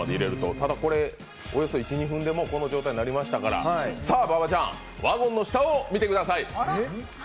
ただこれおよそ１２分でこの状態になりましたから、さあ馬場ちゃん、ワゴンの下を見てください！